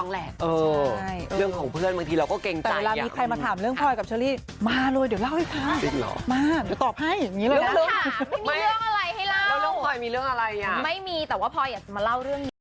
นางก็ดูสบายเป็นเชียร์ที่คำพร